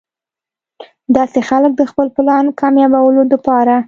داسې خلک د خپل پلان کاميابولو د پاره